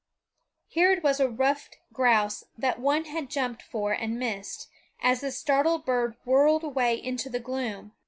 Here it was a ruffed grouse that one had jumped for and missed, as the startled bird whirred away into the gloom.